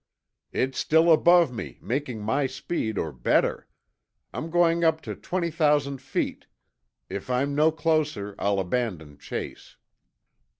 "It's still above me, making my speed or better. I'm going up to twenty thousand feet. If I'm no closer, I'll abandon chase."